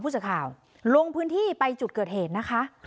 พุทธข่าวลงพื้นที่ไปจุดเกิดเหตุนะคะครับ